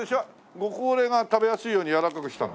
ご高齢が食べやすいようにやわらかくしたの？